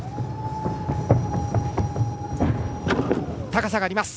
高さがあります。